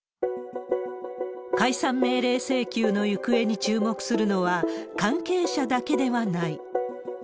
解散命令請求の行方に注目するのは、関係者だけではない。